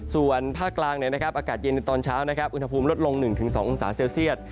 ส่วนภาคกลางอากาศเย็นในตอนเช้าอุณหภูมิลดลง๑๒องศาเซลเซียต